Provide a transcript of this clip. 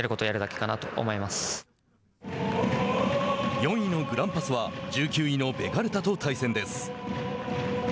４位のグランパスは１９位のベガルタと対戦です。